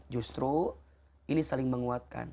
justru ini saling menguatkan